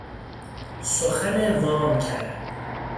سخن وام کرد